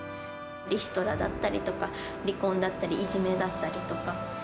リストラだったりとか、離婚だったり、いじめだったりとか。